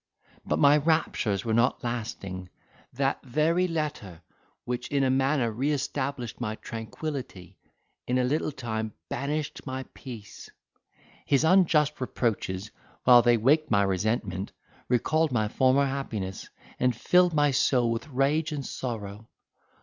But my raptures were not lasting: that very letter which in a manner re established my tranquillity, in a little time banished my peace. His unjust reproaches, while they waked my resentment, recalled my former happiness, and filled my soul with rage and sorrow.